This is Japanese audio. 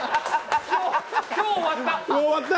今日終わった！